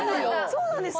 そうなんですね。